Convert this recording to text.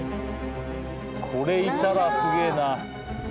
これいたらすげえな。